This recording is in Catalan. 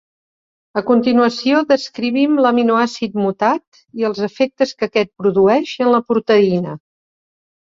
A continuació, descrivim l'aminoàcid mutat i els efectes que aquest produeix en la proteïna.